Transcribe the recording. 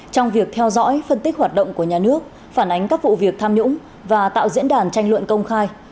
trong việc theo dõi phân tích hoạt động của nhà nước phản ánh các vụ việc tham nhũng và tạo diễn đàn tranh luận công khai